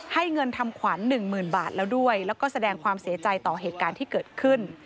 เงินทำขวัญหนึ่งหมื่นบาทแล้วด้วยแล้วก็แสดงความเสียใจต่อเหตุการณ์ที่เกิดขึ้น